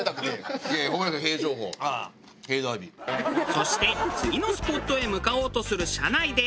そして次のスポットへ向かおうとする車内で。